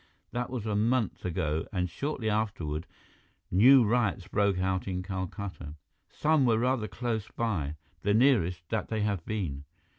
That was a month ago and shortly afterward, new riots broke out in Calcutta. Some were rather close by, the nearest that they have been.